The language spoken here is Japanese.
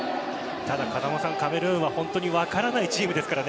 ただ、カメルーンは本当に分からないチームですから。